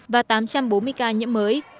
và tám trăm bốn mươi ca nhiễm mới